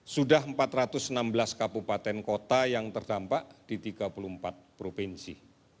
sudah empat ratus enam belas kabupaten kota yang terdampak di tiga puluh empat provinsi